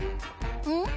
うん？